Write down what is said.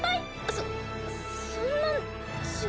そそんなんじゃ。